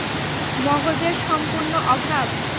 মগজের সম্পূর্ণ অভাব।